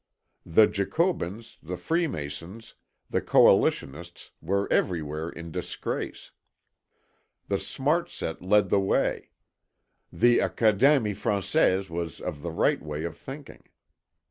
The Jacobins, the Freemasons, the Coalitionists were everywhere in disgrace. The Smart Set led the way. The Académie Française was of the right way of thinking.